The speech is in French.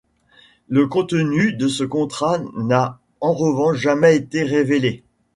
Le contenu de ce contrat n'a en revanche jamais été révélé.